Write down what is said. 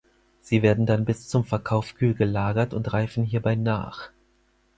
Sie werden dann bis zum Verkauf kühl gelagert und reifen hierbei nach.